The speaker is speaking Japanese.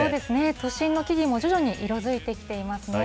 都心の木々も徐々に色づいてきていますね。